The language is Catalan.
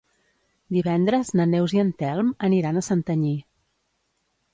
Divendres na Neus i en Telm aniran a Santanyí.